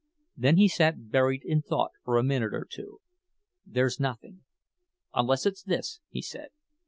Then he sat buried in thought for a minute or two. "There's nothing—unless it's this," he said.